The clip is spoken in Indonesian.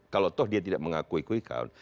kalau toh dia tidak mengakui quick count